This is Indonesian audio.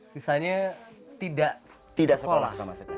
sisanya tidak sekolah